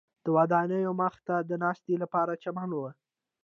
د ودانیو مخ ته د ناستې لپاره چمن و.